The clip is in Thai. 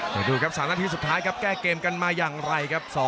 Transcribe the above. เดี๋ยวดูครับ๓นาทีสุดท้ายครับแก้เกมกันมาอย่างไรครับ